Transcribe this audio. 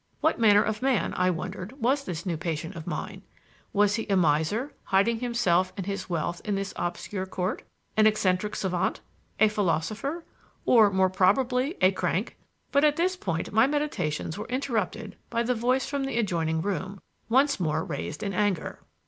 What manner of man, I wondered, was this new patient of mine? Was he a miser, hiding himself and his wealth in this obscure court? An eccentric savant? A philosopher? Or more probably a crank? But at this point my meditations were interrupted by the voice from the adjoining room, once more raised in anger.